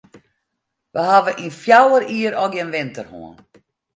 Wy hawwe yn fjouwer jier al gjin winter hân.